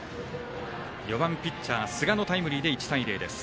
４番ピッチャー、寿賀のタイムリーで先制です。